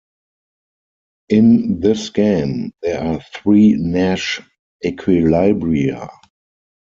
In this game, there are three Nash equilibria.